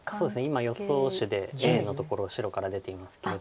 今予想手でＡのところ白から出ていますけれども。